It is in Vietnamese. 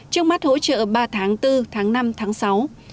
trong mắt hỗ trợ ba tháng tháng bốn tháng năm tháng sáu